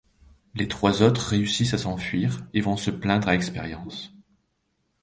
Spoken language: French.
Les trois autres réussissent à s'enfuir et vont se plaindre à Expérience.